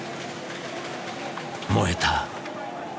燃えた。